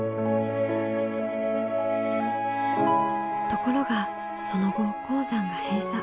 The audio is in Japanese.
ところがその後鉱山が閉鎖。